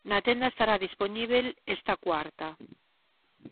Na tenda estará dispoñíbel esta cuarta.